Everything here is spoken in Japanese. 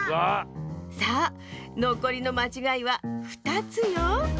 さあのこりのまちがいは２つよ。